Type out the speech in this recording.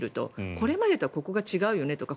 これまでとここが違うよねとか